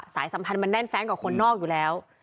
สายสัมพันธ์มันแน่นแฟ้งกว่าคนนอกอยู่แล้ว